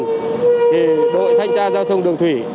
thì đội thanh tra giao thông đường thủy